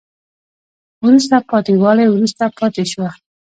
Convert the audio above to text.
وروسته پاتې والی وروسته پاتې شوه